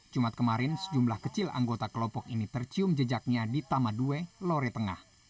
jumat kemarin sejumlah kecil anggota kelompok ini tercium jejaknya di tamadue lore tengah